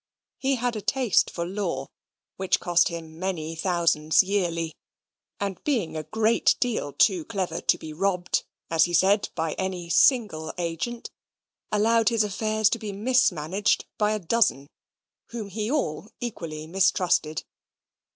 He had a taste for law, which cost him many thousands yearly; and being a great deal too clever to be robbed, as he said, by any single agent, allowed his affairs to be mismanaged by a dozen, whom he all equally mistrusted.